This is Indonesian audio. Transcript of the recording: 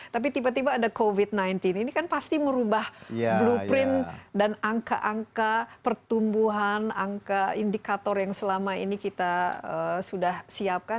tapi tiba tiba ada covid sembilan belas ini kan pasti merubah blueprint dan angka angka pertumbuhan angka indikator yang selama ini kita sudah siapkan